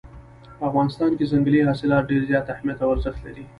په افغانستان کې ځنګلي حاصلات ډېر زیات اهمیت او ارزښت لري.